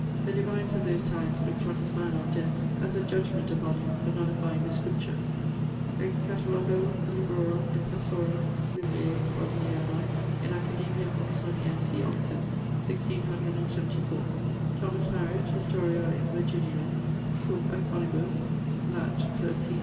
The divines of those times look't on his manner of death as a judgement upon him for nullifying the Scripture. Ex Catalogo librorum impressorum bibl. Bodleianae in Academia Oxoniensi, Oxon., MDCLXXIV: Thomas Hariot: Historia Virginiae, cum iconibus, Lat. per C.